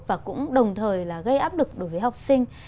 và cũng đồng thời là gây áp lực đối với học sinh